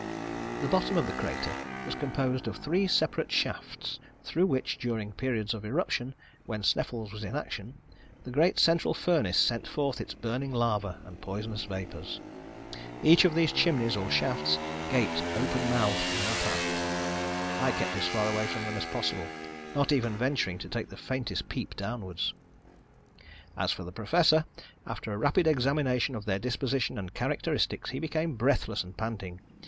The bottom of the crater was composed of three separate shafts, through which, during periods of eruption, when Sneffels was in action, the great central furnace sent forth its burning lava and poisonous vapors. Each of these chimneys or shafts gaped open mouthed in our path. I kept as far away from them as possible, not even venturing to take the faintest peep downwards. As for the Professor, after a rapid examination of their disposition and characteristics, he became breathless and panting.